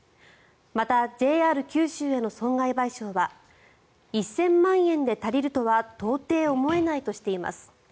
また、ＪＲ九州への損害賠償は１０００万円で足りるとは到底思えないとしています。